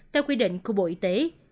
theo quy định của bộ y tế